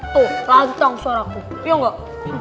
tuh lantang suaraku iya gak